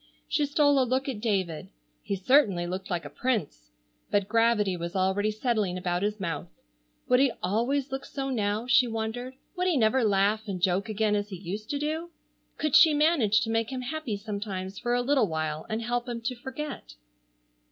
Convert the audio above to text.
She stole a look at David. He certainly looked like a prince, but gravity was already settling about his mouth. Would he always look so now, she wondered, would he never laugh and joke again as he used to do? Could she manage to make him happy sometimes for a little while and help him to forget?